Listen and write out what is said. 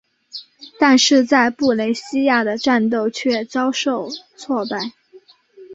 但是在布雷西亚的战斗却遭受挫败。